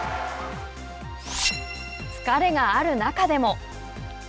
疲れがある中でも。